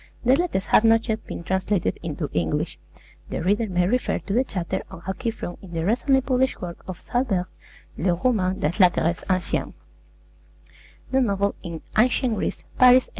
The letters have not yet been translated into English. The reader may refer to the chapter on Alciphron in the recently published work of Salverte, 'Le Roman dans la Grèce Ancienne' (The Novel in Ancient Greece: Paris, 1893).